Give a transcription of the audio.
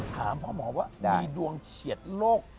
ถามพ่อหมอว่ามีดวงเฉียดโรค